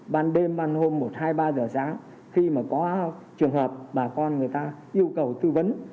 ban đêm ban hôm một hai mươi ba giờ sáng khi mà có trường hợp bà con người ta yêu cầu tư vấn